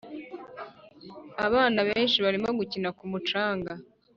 abana benshi barimo gukina ku mucanga.